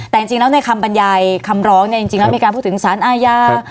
แต่จริงแล้วในคำบรรยายคำร้องเนี่ยจริงแล้วมีการพูดถึงสารอาญา